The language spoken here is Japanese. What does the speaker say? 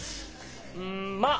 うんまあ